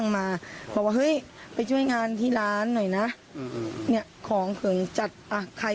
แล้วเค้าเป็นใครแข็งพริกหาอะไร